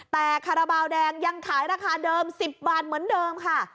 แต่คาราบาลแดงยังขายราคาเดิม๑๐บาทเหมือนเดิมค่ะ